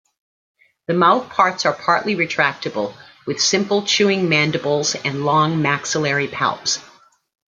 The mouthparts are partly retractable, with simple chewing mandibles and long maxillary palps.